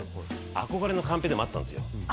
憧れのカンペでもあったんですよ